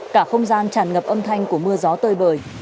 cả không gian tràn ngập âm thanh của mưa gió tơi bời